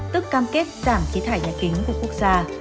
tức cam kết giảm khí thải nhà kính của quốc gia